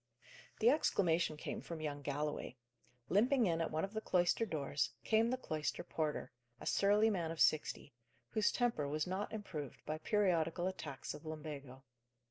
The exclamation came from young Galloway. Limping in at one of the cloister doors, came the cloister porter, a surly man of sixty, whose temper was not improved by periodical attacks of lumbago.